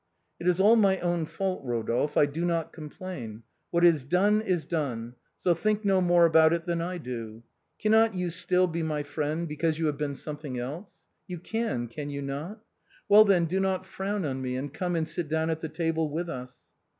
" It is all my own fault, Rodolphe, I do not complain, what is done, is done, so think no more about it than I do. Cannot you still be my friend, because you have been something else? You can, can you not? Well then, do not frown on me, and come and sit down at the table with us."